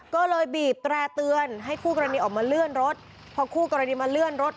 ก็เลยบีบแตร่เตือนให้คู่กรณีออกมาเลื่อนรถพอคู่กรณีมาเลื่อนรถ